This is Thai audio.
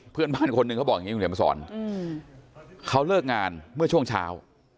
เพื่อนบ้านคนหนึ่งเขาบอกอย่างนี้คุณเดี๋ยวมาสอนเขาเลิกงานเมื่อช่วงเช้า